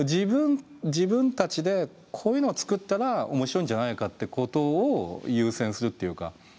自分たちでこういうのを作ったら面白いんじゃないかってことを優先するっていうか。